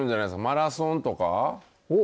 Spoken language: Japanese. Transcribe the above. マラソンとか。